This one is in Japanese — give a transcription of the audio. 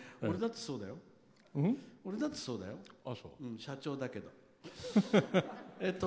俺だってそうだよ。社長だけど。